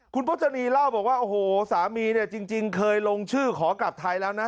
คุณพจนีเล่าบอกว่าโอ้โหสามีเนี่ยจริงเคยลงชื่อขอกลับไทยแล้วนะ